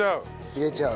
入れちゃう。